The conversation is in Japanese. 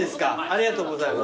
ありがとうございます。